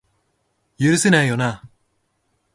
許せないよな